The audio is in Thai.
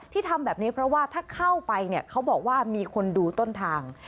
ทำแบบนี้เพราะว่าถ้าเข้าไปเนี่ยเขาบอกว่ามีคนดูต้นทาง